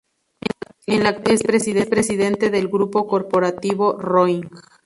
En la actualidad es presidente del Grupo Corporativo Roig.